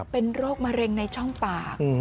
เป็นโรคมะเร็งในช่องปาก